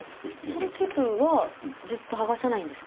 そのテープはずっとはがさないんですか？